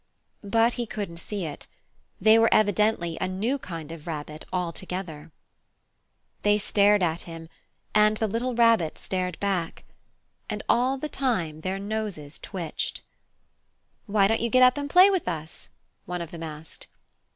But he couldn't see it. They were evidently a new kind of rabbit altogether. Summer Days They stared at him, and the little Rabbit stared back. And all the time their noses twitched. "Why don't you get up and play with us?" one of them asked.